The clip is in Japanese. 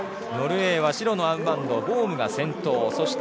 ノルウェーは白のアームバンドボームが先頭。